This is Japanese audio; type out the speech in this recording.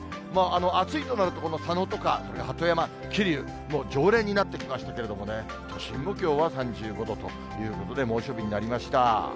暑いとなると、この佐野とか鳩山、桐生、常連になってきましたけれどもね、都心もきょうは３５度ということで、猛暑日になりました。